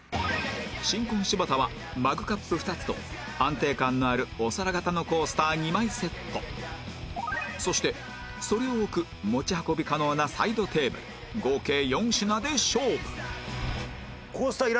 新婚柴田はマグカップ２つと安定感のあるお皿型のコースター２枚セットそしてそれを置く持ち運び可能なサイドテーブル合計４品で勝負